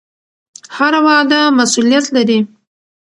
هره وعده مسوولیت لري